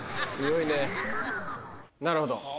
なるほど。